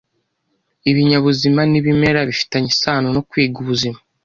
Ibinyabuzima n’ibimera bifitanye isano no kwiga ubuzima.